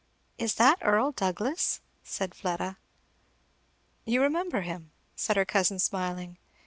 "Is that Earl Douglass?" said Fleda. "You remember him?" said her cousin smiling.